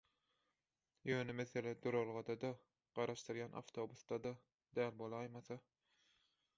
Ýöne mesele duralgada-da, garaşdyrýan awtobusda-da däl bolaýmasa.